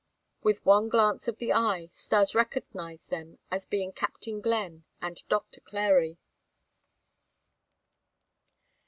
With one glance of the eye Stas recognized them as being Captain Glenn and Doctor Clary.